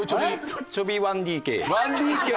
『チョビ１ＤＫ』です。